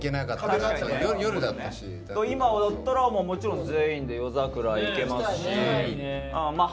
今だったらもちろん全員で夜桜行けますしまあ